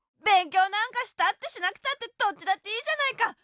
べんきょうなんかしたってしなくたってどっちだっていいじゃないか！